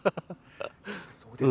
確かにそうです。